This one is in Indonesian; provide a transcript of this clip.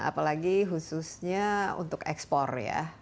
apalagi khususnya untuk ekspor ya